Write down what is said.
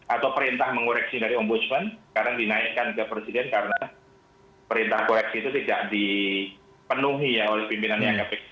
atau perintah mengoreksi dari ombudsman sekarang dinaikkan ke presiden karena perintah koreksi itu tidak dipenuhi ya oleh pimpinannya